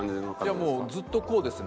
もうずっとこうですね。